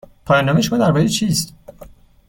پایان نامه شما درباره چیست؟